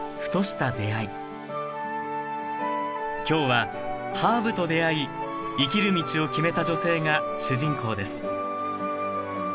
今日はハーブと出会い生きる道を決めた女性が主人公です